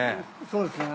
そうですね。